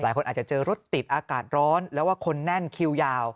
หลายคนอาจจะเจอรถติดอากาศร้อนแล้วว่าคนแน่นคิวยาว